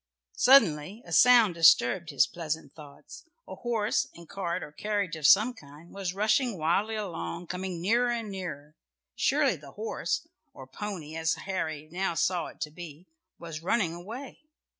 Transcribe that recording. Suddenly a sound disturbed his pleasant thoughts. A horse and cart or carriage of some kind was rushing wildly along, coming nearer and nearer. Surely the horse, or pony, as Harry now saw it to be, was running away.